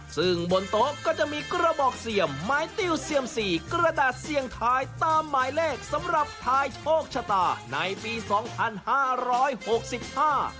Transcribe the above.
ซึ่งบนโต๊ะก็จะมีกระบอกเสี่ยมไม้ติ้วเซียมสี่กระดาษเสี่ยงทายตามหมายเลขสำหรับทายโชคชะตาในปีสองพันห้าร้อยหกสิบห้า